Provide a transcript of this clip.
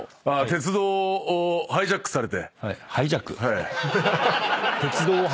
鉄道をハイジャックされて。